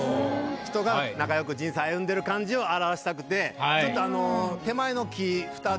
人が仲よく人生歩んでる感じを表したくてちょっと。